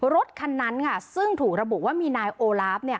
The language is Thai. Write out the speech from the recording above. รถคันนั้นซึ่งถูกระบุว่ามีนายโอลาฟ